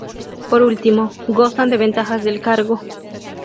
Por último, gozan de ventajas del cargo.